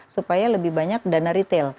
supaya lebih banyak dana retail